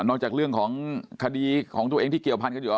นอกจากเรื่องของคดีของตัวเองที่เกี่ยวพันธุ์กันอยู่